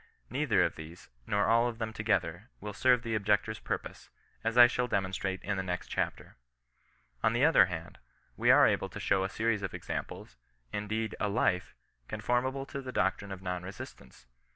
Neither of these, nor all of them to gether, will serve the objector's purpose, as I shall de monstrate in the next chapter. On the other hand, we are able to show a series of examples, indeed a life, con formable to the doctrine of non resistance.